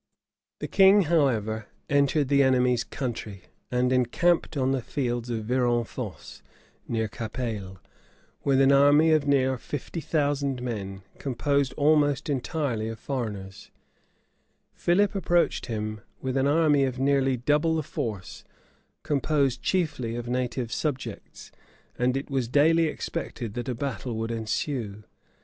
The king, however, entered the enemy's country, and encamped on the fields of Vironfosse, near Capeile, with an army of near fifty thousand men, composed almost entirely of foreigners: Philip approached him with an army of near double the force, composed chiefly of native subjects; and it was daily expected that a battle would ensue.